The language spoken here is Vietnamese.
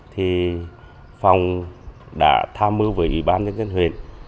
thì phòng đã tham mưu với bán nhân dân huyện